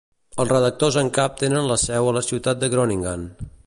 Els redactors en cap tenen la seu a la ciutat de Groningen.